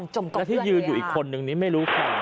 จะยิงเหรอ